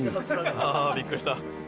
あびっくりした。